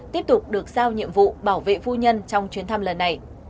tiếp tục được giao nhiệm vụ bảo vệ phu nhân trong chuyến thăm lần này